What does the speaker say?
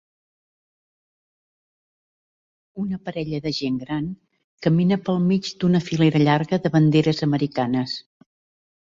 Una parella de gent gran camina pel mig d"una filera llarga de banderes americanes.